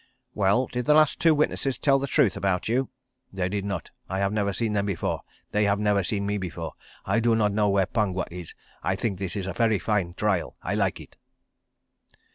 "Well—did the last two witnesses tell the truth about you?" "They did not. I have never seen them before. They have never seen me before. I do not know where Pongwa is. I think this is a very fine trial. I like it."